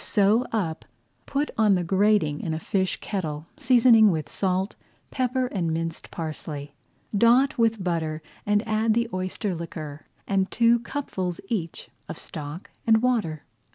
Sew up, put on the grating in a fish kettle, seasoning with salt, pepper, and minced parsley. Dot with butter and add the oyster liquor, and two cupfuls each of stock and water.